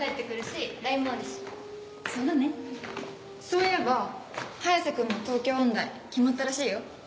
そういえば早瀬君も東京音大決まったらしいよ。